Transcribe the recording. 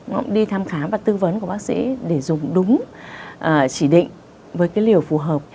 cũng đi tham khám và tư vấn của bác sĩ để dùng đúng chỉ định với liều phù hợp